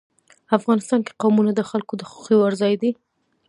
افغانستان کې قومونه د خلکو د خوښې وړ ځای دی.